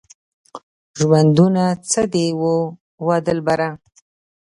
ژوندونه څه دی وه دلبره؟